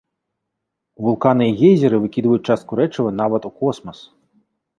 Вулканы і гейзеры выкідваюць частку рэчыва нават у космас.